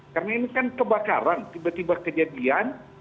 karena ini kan kebakaran tiba tiba kejadian